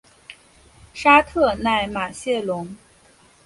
沙特奈马谢龙。